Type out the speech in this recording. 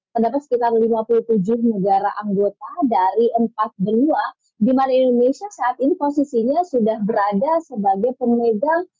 terdapat sekitar lima puluh tujuh negara anggota dari empat benua di mana indonesia saat ini posisinya sudah berada sebagai pemegang